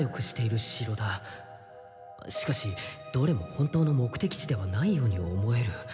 しかしどれも本当の目的地ではないように思える。